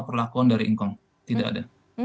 perlakuan dari incon tidak ada